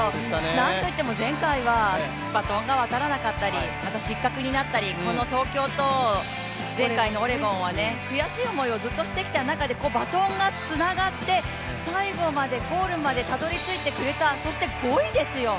なんといっても前回はバトンが渡らなかったりまた失格になったり、東京と前回のオレゴンは悔しい思いをずっとしてきた中でバトンがつながって、最後まで、ゴールまでたどり着いてくれた、そして５位ですよ。